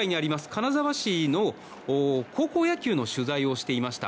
金沢市の高校野球の取材をしていました。